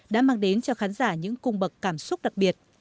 đã mang đến cho khán giả những cung bậc cảm xúc đặc biệt